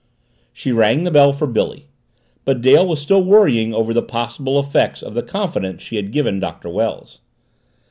She rang the bell for Billy. But Dale was still worrying over the possible effects of the confidence she had given Doctor Wells.